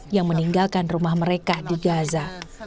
yang meninggalkan rumah mereka di gaza